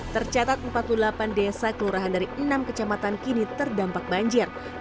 tercatat empat puluh delapan desa kelurahan dari enam kecamatan kini terdampak banjir